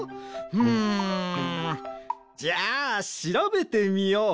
ふむ。じゃあしらべてみよう。